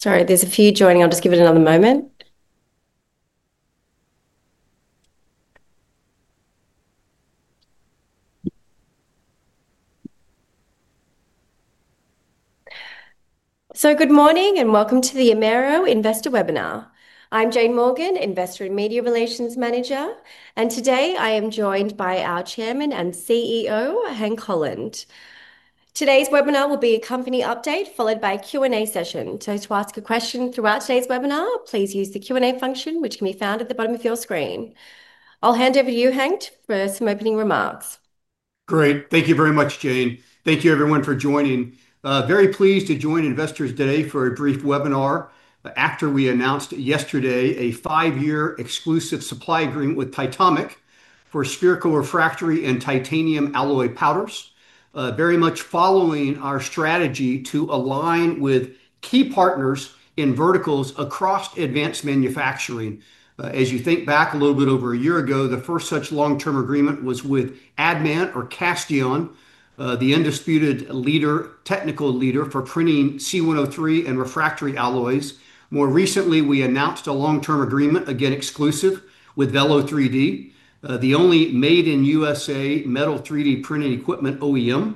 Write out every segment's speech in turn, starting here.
There's a feed joining. I'll just give it another moment. Good morning and welcome to the Amaero Investor Webinar. I'm Jane Morgan, Investor and Media Relations Manager, and today I am joined by our Chairman and CEO, Hank J. Holland. Today's webinar will be a company update followed by a Q&A session. To ask a question throughout today's webinar, please use the Q&A function, which can be found at the bottom of your screen. I'll hand over to you, Hank, for some opening remarks. Great, thank you very much, Jane. Thank you, everyone, for joining. Very pleased to join investors today for a brief webinar after we announced yesterday a five-year exclusive supply agreement with Titomic for spherical refractory and titanium alloy powders, very much following our strategy to align with key partners in verticals across advanced manufacturing. As you think back a little bit over a year ago, the first such long-term agreement was with Admaero Castillon, the undisputed technical leader for printing C103 and refractory alloys. More recently, we announced a long-term agreement, again exclusive, with Velo3D, the only made-in-U.S.A. metal 3D printing equipment OEM,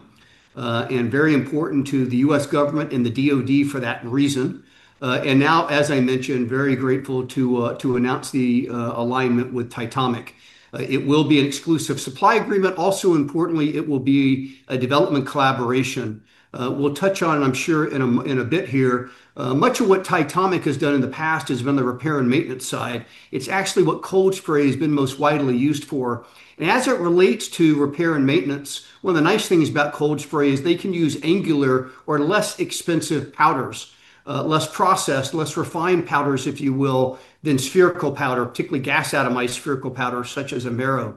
and very important to the U.S. government and the U.S. Department of Defense for that reason. Now, as I mentioned, very grateful to announce the alignment with Titomic. It will be an exclusive supply agreement. Also, importantly, it will be a development collaboration. We'll touch on, I'm sure, in a bit here, much of what Titomic has done in the past has been the repair and maintenance side. It's actually what cold spray has been most widely used for. As it relates to repair and maintenance, one of the nice things about cold spray is they can use angular or less expensive powders, less processed, less refined powders, if you will, than spherical powder, particularly gas atomized spherical powders such as Amaero.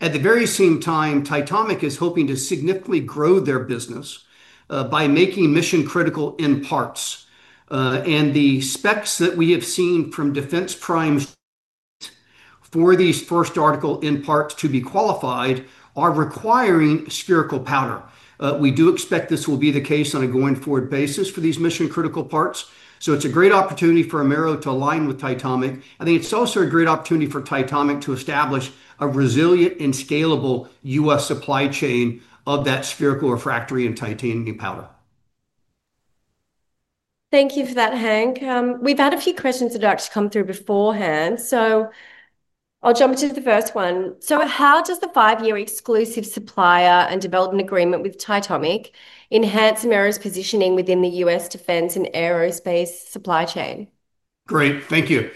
At the very same time, Titomic is hoping to significantly grow their business by making mission-critical in parts. The specs that we have seen from Defense Prime for these first article in parts to be qualified are requiring spherical powder. We do expect this will be the case on a going forward basis for these mission-critical parts. It's a great opportunity for Amaero to align with Titomic. I think it's also a great opportunity for Titomic to establish a resilient and scalable U.S. supply chain of that spherical refractory and titanium powder. Thank you for that, Hank. We've had a few questions that have come through beforehand. I'll jump into the first one. How does the five-year exclusive supply and development agreement with Titomic enhance Amaero's positioning within the U.S. defense and aerospace supply chain? Great, thank you.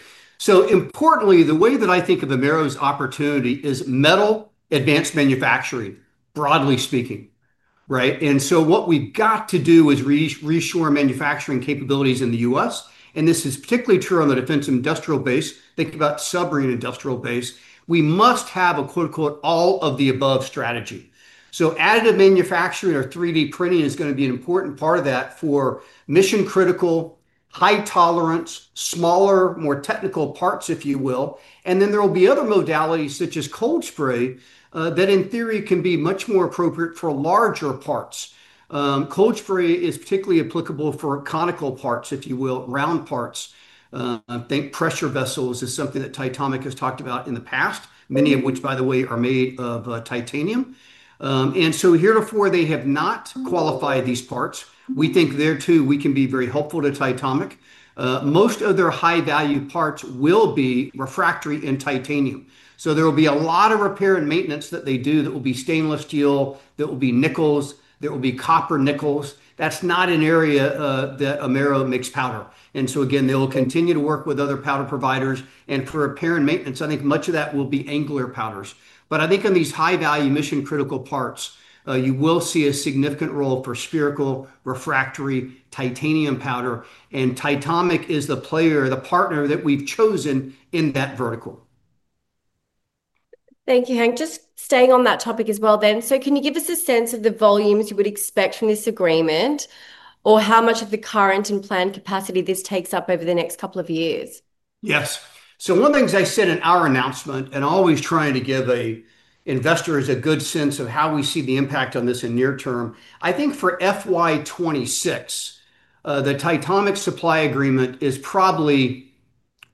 Importantly, the way that I think of Amaero's opportunity is metal advanced manufacturing, broadly speaking, right? What we've got to do is reshore manufacturing capabilities in the U.S. This is particularly true on the defense industrial base. Think about the submarine industrial base. We must have a quote-unquote, "all of the above" strategy. Additive manufacturing or 3D printing is going to be an important part of that for mission-critical, high-tolerance, smaller, more technical parts, if you will. There will be other modalities such as cold spray that in theory can be much more appropriate for larger parts. Cold spray is particularly applicable for conical parts, if you will, round parts. I think pressure vessels is something that Titomic has talked about in the past, many of which, by the way, are made of titanium. Heretofore, they have not qualified these parts. We think thereto we can be very helpful to Titomic. Most of their high-value parts will be refractory and titanium. There will be a lot of repair and maintenance that they do that will be stainless steel, that will be nickels, that will be copper nickels. That's not an area that Amaero makes powder. They will continue to work with other powder providers. For repair and maintenance, I think much of that will be angular powders. I think on these high-value mission-critical parts, you will see a significant role for spherical refractory titanium powder. Titomic is the player, the partner that we've chosen in that vertical. Thank you, Hank. Just staying on that topic as well, can you give us a sense of the volumes you would expect from this agreement or how much of the current and planned capacity this takes up over the next couple of years? Yes. One of the things I said in our announcement, and always trying to give investors a good sense of how we see the impact on this in the near term, I think for FY2026, the Titomic supply agreement is probably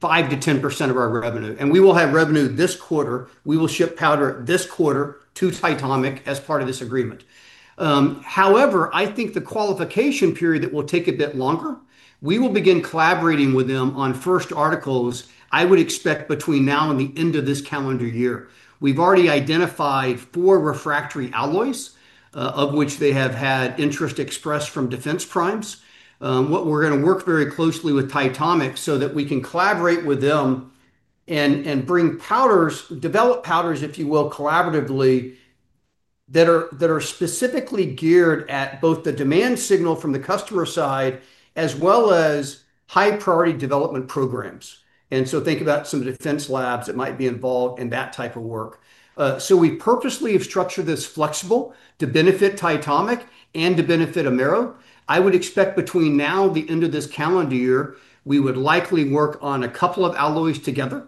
5% to 10% of our revenue. We will have revenue this quarter. We will ship powder this quarter to Titomic as part of this agreement. However, I think the qualification period will take a bit longer. We will begin collaborating with them on first articles, I would expect between now and the end of this calendar year. We've already identified four refractory alloys, of which they have had interest expressed from Defense Primes. We are going to work very closely with Titomic so that we can collaborate with them and bring powders, develop powders, if you will, collaboratively that are specifically geared at both the demand signal from the customer side as well as high-priority development programs. Think about some defense labs that might be involved in that type of work. We purposely have structured this flexible to benefit Titomic and to benefit Amaero. I would expect between now and the end of this calendar year, we would likely work on a couple of alloys together.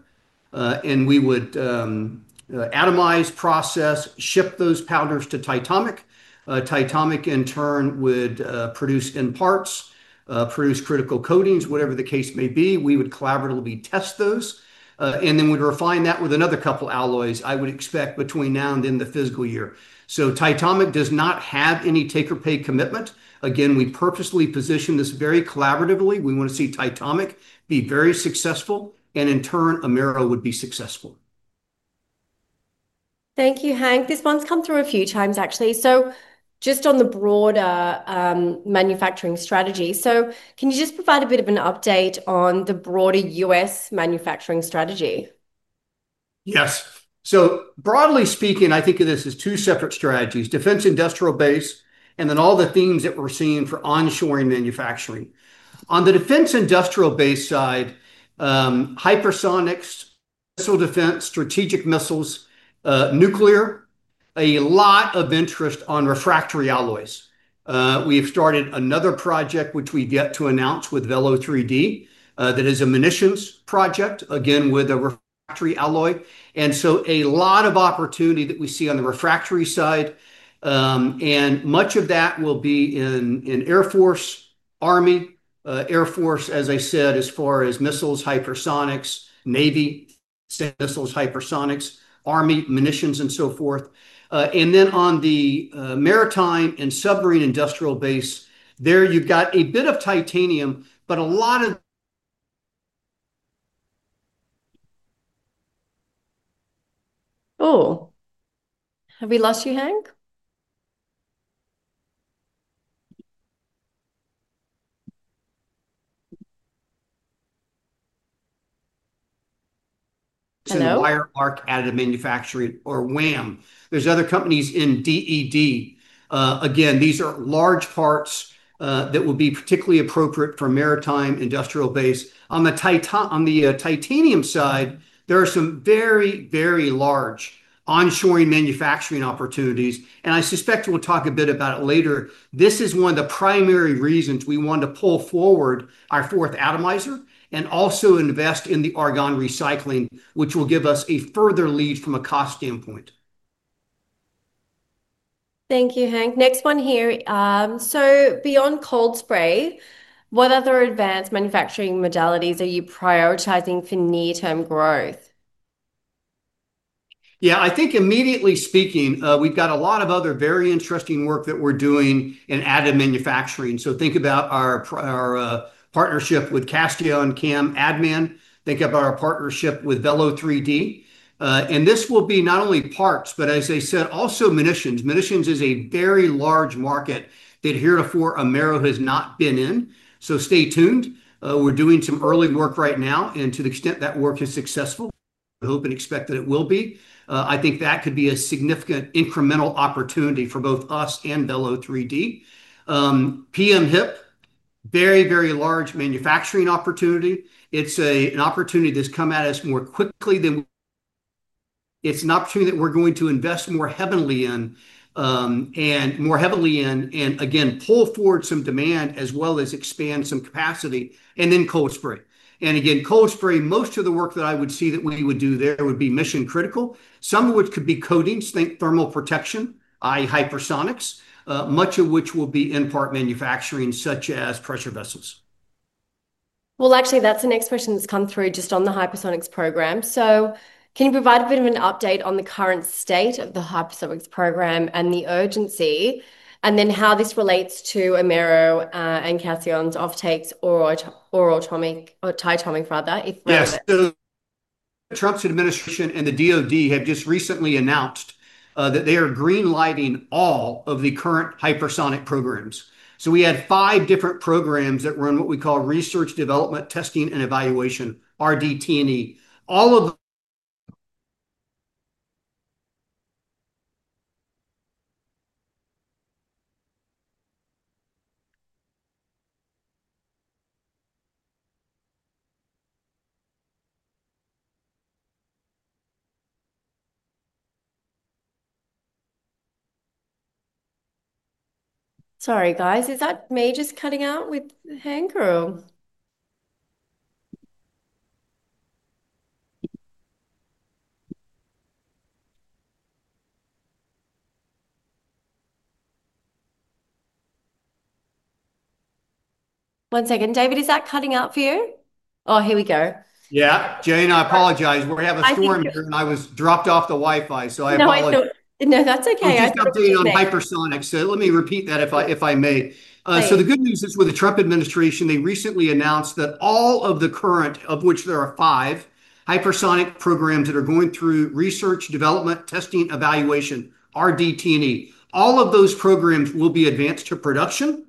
We would atomize, process, and ship those powders to Titomic. Titomic, in turn, would produce in parts, produce critical coatings, whatever the case may be. We would collaboratively test those. Then we'd refine that with another couple of alloys, I would expect between now and the end of the fiscal year. Titomic does not have any taker pay commitment. We purposely position this very collaboratively. We want to see Titomic be very successful. In turn, Amaero would be successful. Thank you, Hank. This one's come through a few times, actually. Just on the broader manufacturing strategy, can you provide a bit of an update on the broader U.S. manufacturing strategy? Yes. Broadly speaking, I think of this as two separate strategies: defense industrial base and then all the themes that we're seeing for onshoring manufacturing. On the defense industrial base side, hypersonics, missile defense, strategic missiles, nuclear, a lot of interest on refractory alloys. We have started another project, which we get to announce with Velo3D, that is a munitions project, again with a refractory alloy. A lot of opportunity that we see on the refractory side. Much of that will be in Air Force, Army, Air Force, as I said, as far as missiles, hypersonics, Navy, missiles, hypersonics, Army, munitions, and so forth. On the maritime and submarine industrial base, there you've got a bit of titanium, but a lot of... Oh, have we lost you, Hank? Hello? Wire Arc additive manufacturing or WAM. There are other companies in DED. These are large parts that will be particularly appropriate for maritime industrial base. On the titanium side, there are some very, very large onshoring manufacturing opportunities. I suspect we'll talk a bit about it later. This is one of the primary reasons we want to pull forward our fourth atomizer and also invest in the argon recycling, which will give us a further lead from a cost standpoint. Thank you, Hank. Next one here. Beyond cold spray, what other advanced manufacturing modalities are you prioritizing for near-term growth? Yeah, I think immediately speaking, we've got a lot of other very interesting work that we're doing in additive manufacturing. Think about our partnership with Admaero Castillon and CAM AdMan. Think about our partnership with Velo3D. This will be not only parts, but as I said, also munitions. Munitions is a very large market that heretofore Amaero has not been in. Stay tuned. We're doing some early work right now. To the extent that work is successful, I hope and expect that it will be, I think that could be a significant incremental opportunity for both us and Velo3D. PM HIP, very, very large manufacturing opportunity. It's an opportunity that's come at us more quickly than... It's an opportunity that we're going to invest more heavily in and more heavily in and again pull forward some demand as well as expand some capacity. Then cold spray. Again, cold spray, most of the work that I would see that we would do there would be mission-critical, some of which could be coatings, think thermal protection, i.e., hypersonics, much of which will be in part manufacturing such as pressure vessels. That's the next question that's come through just on the hypersonics program. Can you provide a bit of an update on the current state of the hypersonics program and the urgency, and then how this relates to Amaero and Admaero Castillon's offtakes or Titomic, rather? Yes, the Trump administration and the U.S. Department of Defense have just recently announced that they are greenlighting all of the current hypersonic programs. We had five different programs that were in what we call research, development, testing, and evaluation, RDT&E. All of... Sorry, is that me just cutting out with Hank or... One second. David, is that cutting out for you? Oh, here we go. Yeah, Jane, I apologize. We have a storm. I was dropped off the Wi-Fi, so I apologize. No, that's OK. I was just updating on hypersonics. Let me repeat that if I may. The good news is with the Trump administration, they recently announced that all of the current, of which there are five, hypersonic programs that are going through research, development, testing, evaluation, RDT&E. All of those programs will be advanced to production,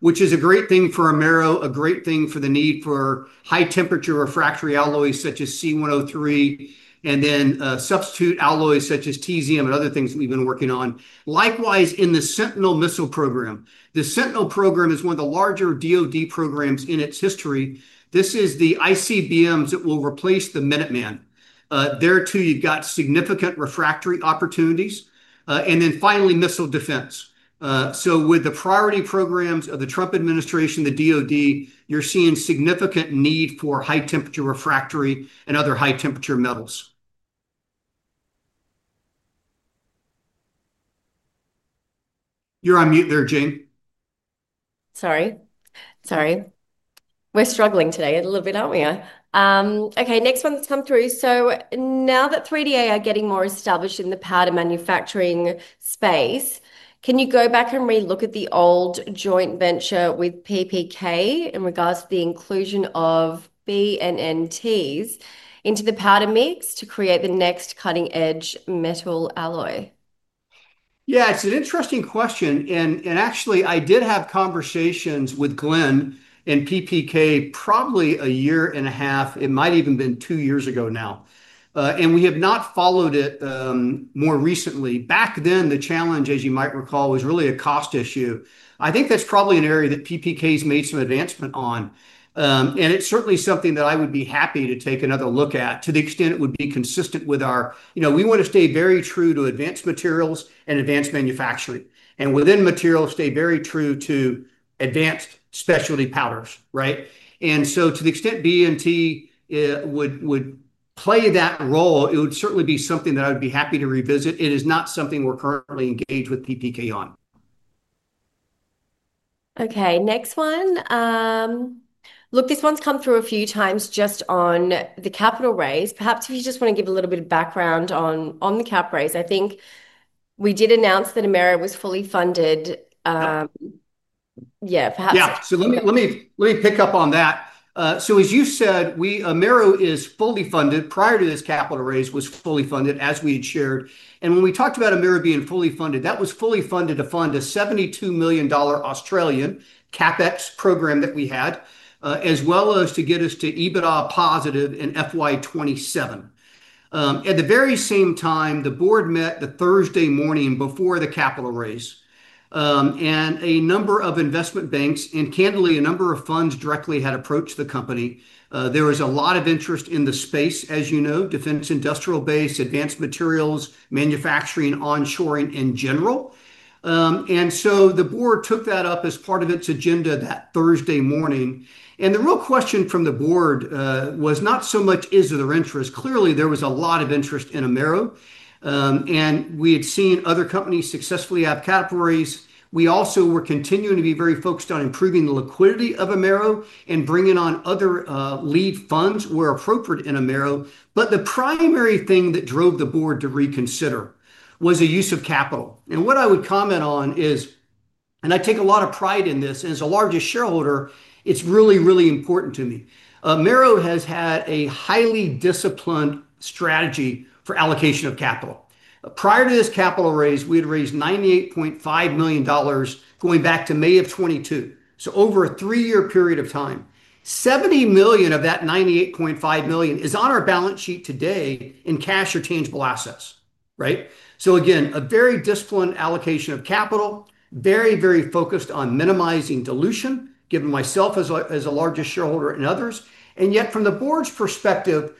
which is a great thing for Amaero, a great thing for the need for high-temperature refractory alloys such as C103 and then substitute alloys such as TZM and other things that we've been working on. Likewise, in the Sentinel missile program, the Sentinel program is one of the larger U.S. Department of Defense programs in its history. This is the ICBMs that will replace the Minuteman. Thereto you've got significant refractory opportunities. Finally, missile defense. With the priority programs of the Trump administration, the U.S. Department of Defense, you're seeing significant need for high-temperature refractory and other high-temperature metals. You're on mute there, Jane. Sorry. We're struggling today a little bit, aren't we? OK, next one's come through. Now that 3DA are getting more established in the powder manufacturing space, can you go back and relook at the old joint venture with PPK in regards to the inclusion of BNNTs into the powder mix to create the next cutting-edge metal alloy? Yeah, it's an interesting question. I did have conversations with Glen and PPK probably a year and a half, it might even have been two years ago now. We have not followed it more recently. Back then, the challenge, as you might recall, was really a cost issue. I think that's probably an area that PPK has made some advancement on. It's certainly something that I would be happy to take another look at to the extent it would be consistent with our, you know, we want to stay very true to advanced materials and advanced manufacturing. Within materials, stay very true to advanced specialty powders, right? To the extent BNT would play that role, it would certainly be something that I would be happy to revisit. It is not something we're currently engaged with PPK on. OK, next one. This one's come through a few times just on the capital raise. Perhaps if you just want to give a little bit of background on the capital raise. I think we did announce that Amaero was fully funded. Yeah, perhaps. Yeah, so let me pick up on that. As you said, Amaero is fully funded. Prior to this capital raise, it was fully funded, as we had shared. When we talked about Amaero being fully funded, that was fully funded to fund a $72 million Australian CapEx program that we had, as well as to get us to EBITDA positive in FY2027. At the very same time, the board met the Thursday morning before the capital raise. A number of investment banks and, candidly, a number of funds directly had approached the company. There was a lot of interest in the space, as you know, defense industrial base, advanced materials, manufacturing, onshoring in general. The board took that up as part of its agenda that Thursday morning. The real question from the board was not so much is there interest. Clearly, there was a lot of interest in Amaero. We had seen other companies successfully have capital raise. We also were continuing to be very focused on improving the liquidity of Amaero and bringing on other lead funds where appropriate in Amaero. The primary thing that drove the board to reconsider was the use of capital. What I would comment on is, and I take a lot of pride in this, and as a largest shareholder, it's really, really important to me. Amaero has had a highly disciplined strategy for allocation of capital. Prior to this capital raise, we had raised $98.5 million going back to May of 2022. Over a three-year period of time, $70 million of that $98.5 million is on our balance sheet today in cash or tangible assets, right? Again, a very disciplined allocation of capital, very, very focused on minimizing dilution, given myself as a largest shareholder and others. Yet from the board's perspective,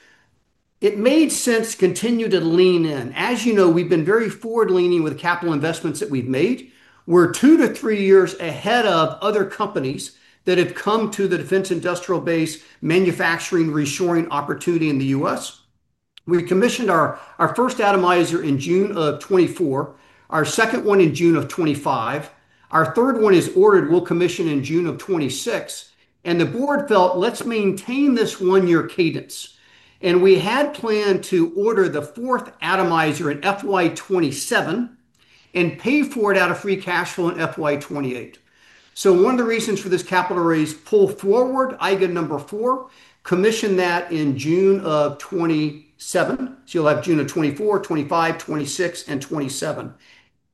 it made sense to continue to lean in. As you know, we've been very forward-leaning with capital investments that we've made. We're two to three years ahead of other companies that have come to the defense industrial base manufacturing reshoring opportunity in the U.S. We commissioned our first atomizer in June of 2024, our second one in June of 2025, our third one is ordered, we'll commission in June of 2026. The board felt, let's maintain this one-year cadence. We had planned to order the fourth atomizer in FY2027 and pay for it out of free cash flow in FY2028. One of the reasons for this capital raise, pull forward, IGIN number four, commission that in June of 2027. You'll have June of 2024, 2025, 2026, and 2027.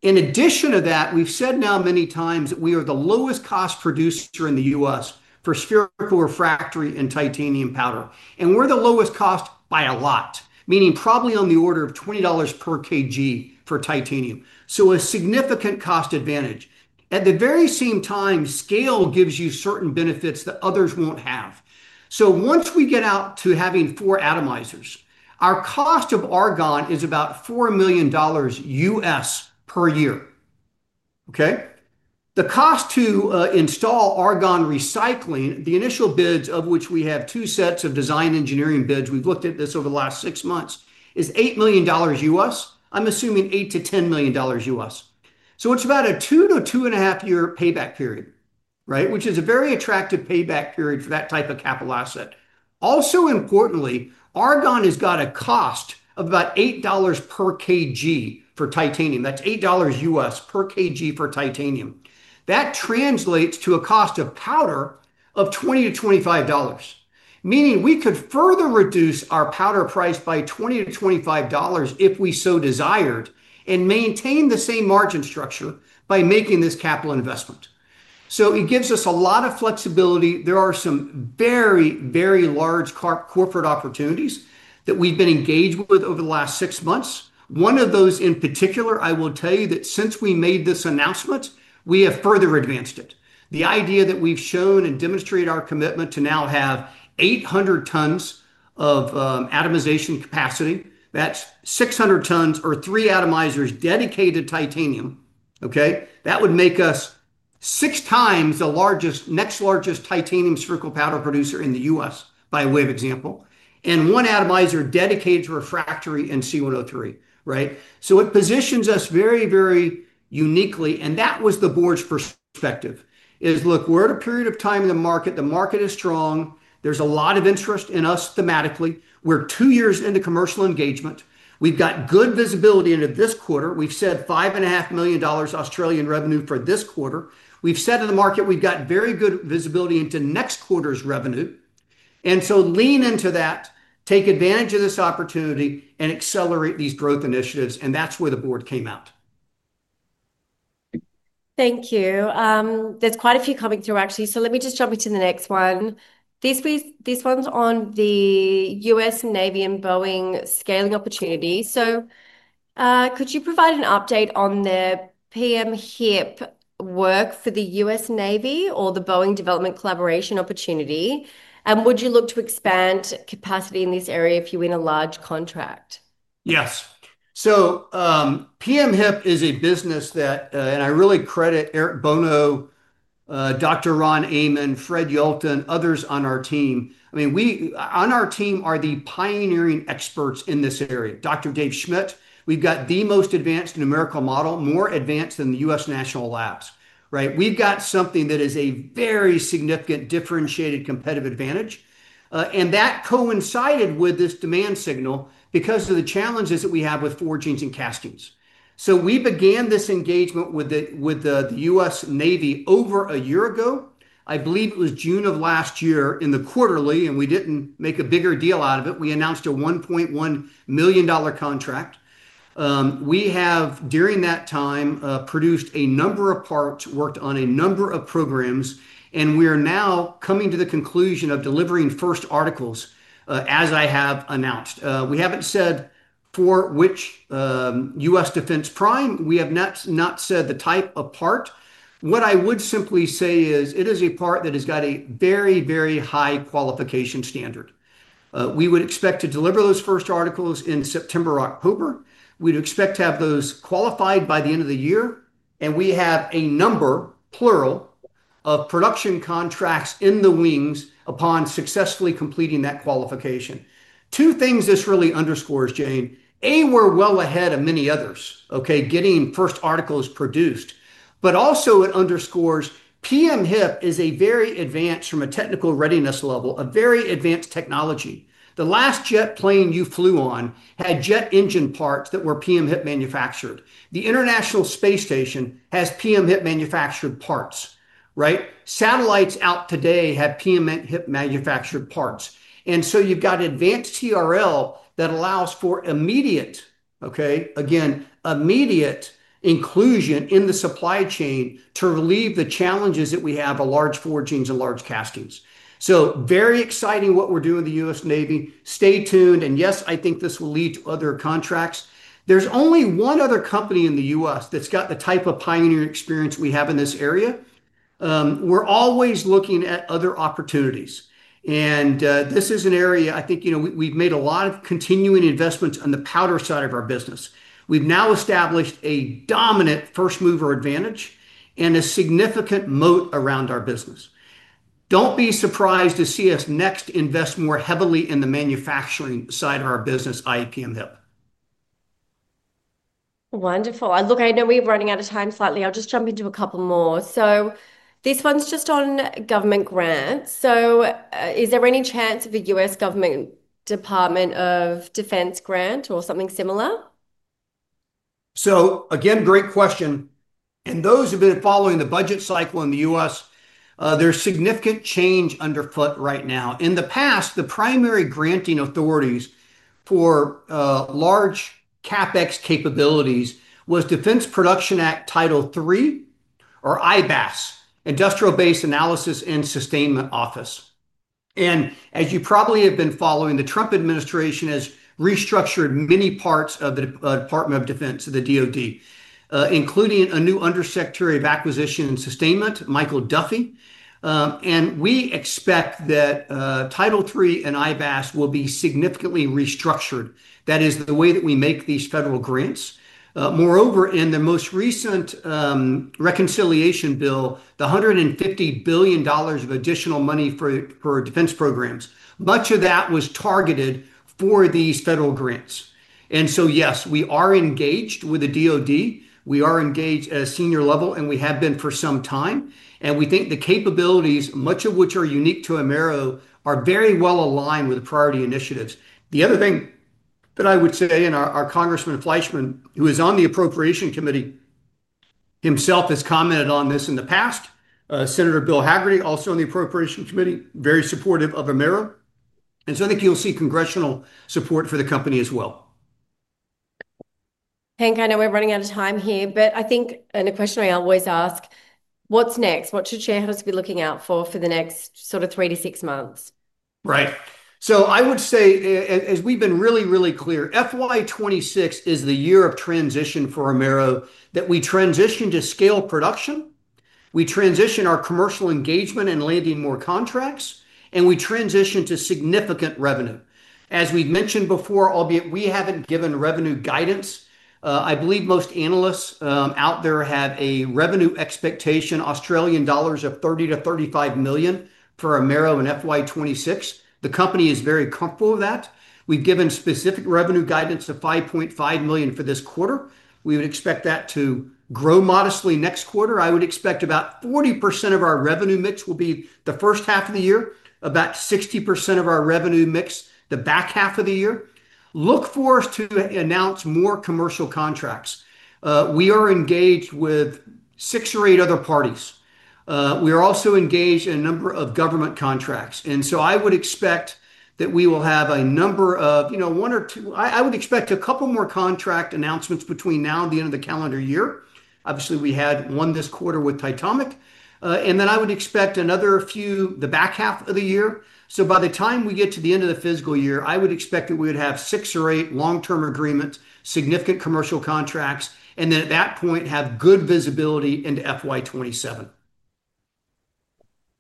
In addition to that, we've said now many times that we are the lowest cost producer in the U.S. for spherical refractory and titanium powder. We're the lowest cost by a lot, meaning probably on the order of $20 per kg for titanium. A significant cost advantage. At the very same time, scale gives you certain benefits that others won't have. Once we get out to having four atomizers, our cost of argon is about $4 million U.S. per year. The cost to install argon recycling, the initial bids, of which we have two sets of design engineering bids, we've looked at this over the last six months, is $8 million U.S. I'm assuming $8 to $10 million U.S. It's about a two to two and a half year payback period, right? Which is a very attractive payback period for that type of capital asset. Also importantly, argon has got a cost of about $8 per kg for titanium. That's $8 U.S. per kg for titanium. That translates to a cost of powder of $20 to $25. Meaning we could further reduce our powder price by $20 to $25 if we so desired and maintain the same margin structure by making this capital investment. It gives us a lot of flexibility. There are some very, very large corporate opportunities that we've been engaged with over the last six months. One of those in particular, I will tell you that since we made this announcement, we have further advanced it. The idea that we've shown and demonstrated our commitment to now have 800 tons of atomization capacity, that's 600 tons or three atomizers dedicated to titanium, OK? That would make us six times the next largest titanium spherical powder producer in the U.S. by way of example. One atomizer dedicated to refractory and C103, right? It positions us very, very uniquely. That was the board's perspective. Look, we're at a period of time in the market. The market is strong. There's a lot of interest in us thematically. We're two years into commercial engagement. We've got good visibility into this quarter. We've said $5.5 million Australian revenue for this quarter. We've said to the market, we've got very good visibility into next quarter's revenue. Lean into that, take advantage of this opportunity, and accelerate these growth initiatives. That's where the board came out. Thank you. There's quite a few coming through, actually. Let me just jump into the next one. This one's on the U.S. Navy and Boeing scaling opportunity. Could you provide an update on the PM HIP work for the U.S. Navy or The Boeing Company development collaboration opportunity? Would you look to expand capacity in this area if you win a large contract? Yes. PM HIP is a business that, and I really credit Eric Bono, Dr. Ron Amon, Fred Yalton, others on our team. I mean, we on our team are the pioneering experts in this area. Dr. Dave Schmidt, we've got the most advanced numerical model, more advanced than the U.S. National Labs, right? We've got something that is a very significant differentiated competitive advantage. That coincided with this demand signal because of the challenges that we have with forgings and castings. We began this engagement with the U.S. Navy over a year ago. I believe it was June of last year in the quarterly, and we didn't make a bigger deal out of it. We announced a $1.1 million contract. We have, during that time, produced a number of parts, worked on a number of programs. We are now coming to the conclusion of delivering first articles, as I have announced. We haven't said for which U.S. Department of Defense Prime Contractor. We have not said the type of part. What I would simply say is it is a part that has got a very, very high qualification standard. We would expect to deliver those first articles in September or October. We'd expect to have those qualified by the end of the year. We have a number, plural, of production contracts in the wings upon successfully completing that qualification. Two things this really underscores, Jane. A, we're well ahead of many others, OK, getting first articles produced. It also underscores PM HIP is very advanced from a technical readiness level, a very advanced technology. The last jet plane you flew on had jet engine parts that were PM HIP manufactured. The International Space Station has PM HIP manufactured parts, right? Satellites out today have PM HIP manufactured parts. You've got advanced TRL that allows for immediate, OK, again, immediate inclusion in the supply chain to relieve the challenges that we have with large forgings and large castings. Very exciting what we're doing with the U.S. Navy. Stay tuned. Yes, I think this will lead to other contracts. There's only one other company in the U.S. that's got the type of pioneering experience we have in this area. We're always looking at other opportunities. This is an area I think, you know, we've made a lot of continuing investments on the powder side of our business. We've now established a dominant first mover advantage and a significant moat around our business. Don't be surprised to see us next invest more heavily in the manufacturing side of our business, i.e. PM HIP. Wonderful. I know we're running out of time slightly. I'll just jump into a couple more. This one's just on government grants. Is there any chance of a U.S. Department of Defense grant or something similar? Great question. Those who have been following the budget cycle in the U.S., there's significant change underfoot right now. In the past, the primary granting authorities for large CapEx capabilities were Defense Production Act Title III or IBAS, Industrial Base Analysis and Sustainment Office. As you probably have been following, the Trump administration has restructured many parts of the U.S. Department of Defense, including a new Undersecretary of Acquisition and Sustainment, Michael Duffy. We expect that Title III and IBAS will be significantly restructured. That is the way that we make these federal grants. Moreover, in the most recent reconciliation bill, the $150 billion of additional money for defense programs, much of that was targeted for these federal grants. Yes, we are engaged with the U.S. Department of Defense. We are engaged at a senior level, and we have been for some time. We think the capabilities, much of which are unique to Amaero Ltd, are very well aligned with the priority initiatives. The other thing that I would say, our Congressman Fleischmann, who is on the Appropriation Committee himself, has commented on this in the past. Senator Bill Haggerty, also on the Appropriation Committee, is very supportive of Amaero Ltd. I think you'll see congressional support for the company as well. Hank, I know we're running out of time here, but I think, and a question I always ask, what's next? What should shareholders be looking out for for the next sort of three to six months? Right. I would say, as we've been really, really clear, FY26 is the year of transition for Amaero, that we transition to scale production. We transition our commercial engagement and landing more contracts, and we transition to significant revenue. As we've mentioned before, albeit we haven't given revenue guidance, I believe most analysts out there have a revenue expectation, Australian dollars, of $30 to $35 million for Amaero in FY26. The company is very comfortable with that. We've given specific revenue guidance of $5.5 million for this quarter. We would expect that to grow modestly next quarter. I would expect about 40% of our revenue mix will be the first half of the year, about 60% of our revenue mix the back half of the year. Look for us to announce more commercial contracts. We are engaged with six or eight other parties. We are also engaged in a number of government contracts. I would expect that we will have a number of, you know, one or two, I would expect a couple more contract announcements between now and the end of the calendar year. Obviously, we had one this quarter with Titomic. I would expect another few the back half of the year. By the time we get to the end of the fiscal year, I would expect that we would have six or eight long-term agreements, significant commercial contracts, and at that point have good visibility into FY27.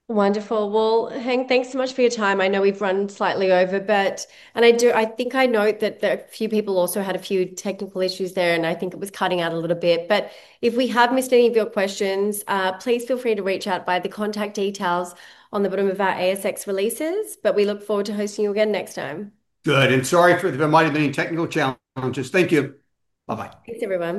Wonderful. Hank, thanks so much for your time. I know we've run slightly over a bit. I think I note that a few people also had a few technical issues there. I think it was cutting out a little bit. If we have missed any of your questions, please feel free to reach out via the contact details on the bottom of our ASX releases. We look forward to hosting you again next time. Good. Sorry for the reminder of any technical challenges. Thank you. Bye-bye. Thanks everyone.